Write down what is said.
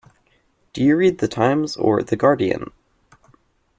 Do you read The Times or The Guardian?